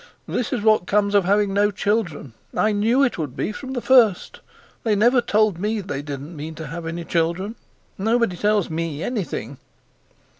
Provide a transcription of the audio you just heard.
This is what comes of having no children. I knew how it would be from the first. They never told me they didn't mean to have any children—nobody tells me anything!"